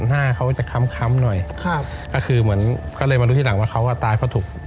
หน้าเขาจะค้ำหน่อยก็เลยมารู้ที่หลังว่าเขาก็ตายเพราะถูก